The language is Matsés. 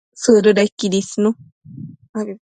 Sëdëdequid isnu